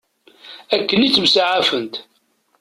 Akken i ttemsaɛafen.